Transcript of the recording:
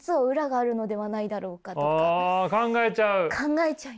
あ考えちゃう？